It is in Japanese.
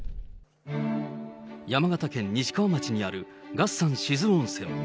山形県西川町にある月山志津温泉。